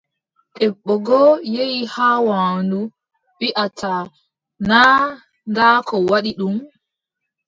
Debbo goo yehi haa waandu, wiʼata naa ndaa ko waddi ɗum.